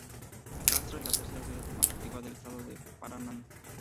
Castro es la tercera ciudad más antigua del estado de Paraná.